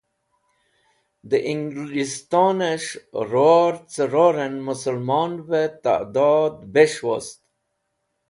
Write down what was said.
De Englistones̃h Ror ce roren musalmonve Ta'dod Bes̃h wost